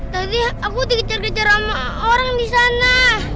tadi aku dikejar kejar sama orang di sana